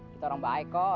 kita orang baik kok